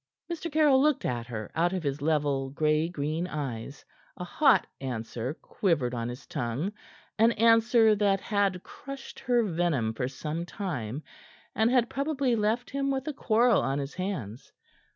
Mr. Caryll looked at her out of his level gray green eyes; a hot answer quivered on his tongue, an answer that had crushed her venom for some time and had probably left him with a quarrel on his hands.